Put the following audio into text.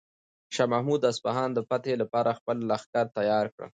شاه محمود د اصفهان د فتح لپاره خپل لښکر تیار کړ.